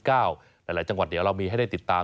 หลายจังหวัดเดี๋ยวเรามีให้ได้ติดตาม